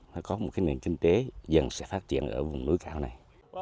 nó có một cái nền kinh tế dần sẽ phát triển ở vùng núi cao này